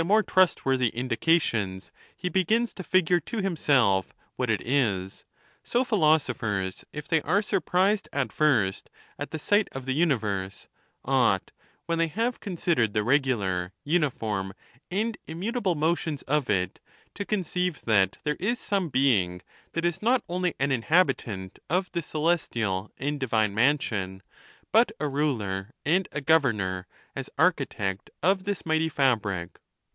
289 trustworthy indications, he begins to figure to himself what it is ; so philosophers, if they are surprised at first at the sight of the universe, ought, when they have con sidered the I'egular, uniform, and immutable motions of it, to conceive that there is some Being that is not only an inhabitant of this celestial and divine mansion, but a ruler and a governor, as architect of this mighty fabric.